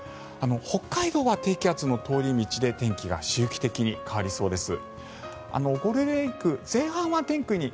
北海道は低気圧の通り道で天気が周期的に変わりそうです。